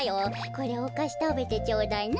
これおかしたべてちょうだいな。